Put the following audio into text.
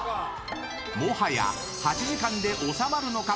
もはや８時間で収まるのか！？